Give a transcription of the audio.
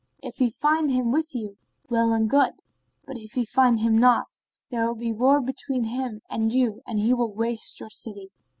If he find him with you, well and good; but if he find him not, there will be war between him and you and he will waste your city."